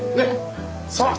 さあ！